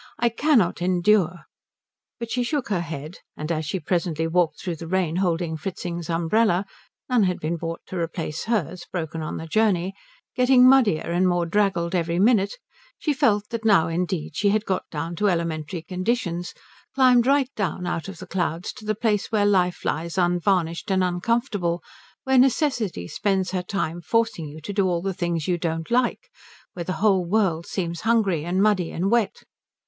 "I cannot endure " But she shook her head; and as she presently walked through the rain holding Fritzing's umbrella, none had been bought to replace hers, broken on the journey getting muddier and more draggled every minute, she felt that now indeed she had got down to elementary conditions, climbed right down out of the clouds to the place where life lies unvarnished and uncomfortable, where Necessity spends her time forcing you to do all the things you don't like, where the whole world seems hungry and muddy and wet.